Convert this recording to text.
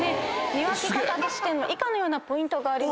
見分け方としては以下のようなポイントがあります」